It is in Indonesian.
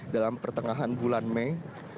dalam pertengahan bulan mei